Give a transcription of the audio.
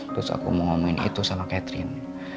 terus aku mau ngomongin itu sama catherine